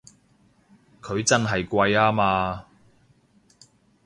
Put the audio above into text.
佢真係貴吖嘛！